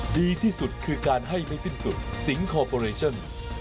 ดีที่สุดคือการให้ไม่สิ้นสุดสิงคอร์ปอเรชั่น